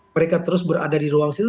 mereka terus berada di ruang situ